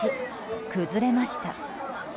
崩れました。